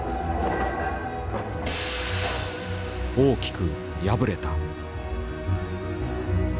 大きく破れた。